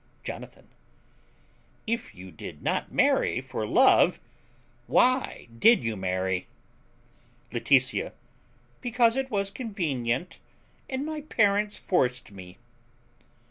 Jonathan. If you did not marry for love why did you marry? Laetitia. Because it was convenient, and my parents forced me.